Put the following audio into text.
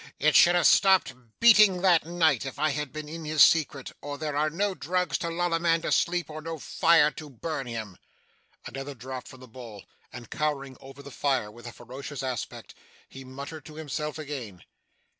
It should have stopped beating, that night, if I had been in his secret, or there are no drugs to lull a man to sleep, or no fire to burn him!' Another draught from the bowl; and, cowering over the fire with a ferocious aspect, he muttered to himself again.